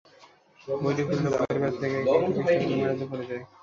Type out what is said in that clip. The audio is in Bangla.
বইটি খুললে বইয়ের ভেতর থেকে একটি পৃষ্ঠা খুলে মাটিতে পড়ে যায়।